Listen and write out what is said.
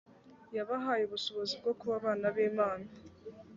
yabahaye ubushobozi bwo kuba abana b imana